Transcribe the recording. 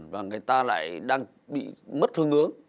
và người ta lại đang bị mất hương ứng